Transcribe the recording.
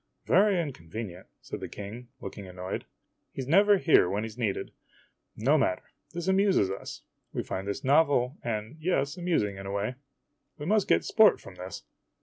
" Very inconvenient," said the King, looking annoyed. "He 's never here when he 's needed. No matter. This amuses us. We find this novel and yes amusing in a way. We must get sport from this.